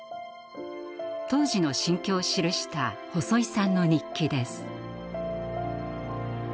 当時の心境を記した細井さんの日記です。